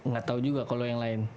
gak tau juga kalo yang lain